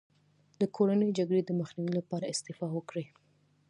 د کورنۍ جګړې د مخنیوي لپاره استعفا وکړي.